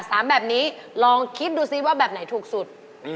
เราคิดดูซิว่าแบบไหนถูกสุด